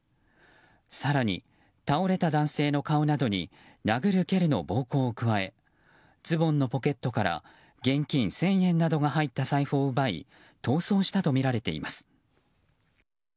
更に倒れた男性の顔などに殴る蹴るの暴行を加えズボンのポケットから現金１０００円などが入った財布を奪い逃走したとみられています。